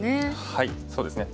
はいそうですね。